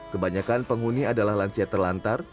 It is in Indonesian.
kebanyakan penghuni adalah lansia terlantar